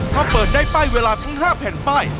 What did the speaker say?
ถ้าเปิดได้ป้ายเวลาทั้ง๕แผ่นป้าย